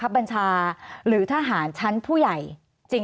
สวัสดีครับทุกคน